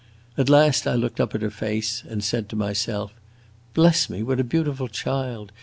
At last I looked up at her face, and said to myself, 'Bless me, what a beautiful child!